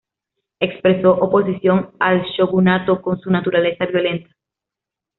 Expresó oposición al shogunato con su naturaleza violenta.